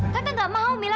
tante nggak mau mila